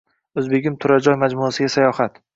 O‘zbegim turar joy majmuasiga sayohat